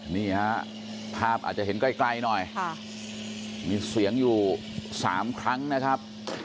นี่ฮะภาพอาจจะเห็นไกลหน่อยมีเสียงอยู่๓ครั้งนะครับ